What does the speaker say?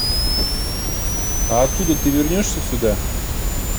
А оттуда ты вернешься сюда?